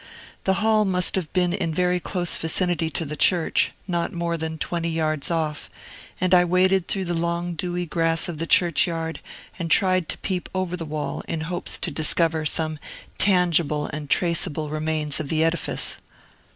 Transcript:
The hall must have been in very close vicinity to the church, not more than twenty yards off; and I waded through the long, dewy grass of the churchyard, and tried to peep over the wall, in hopes to discover some tangible and traceable remains of the edifice.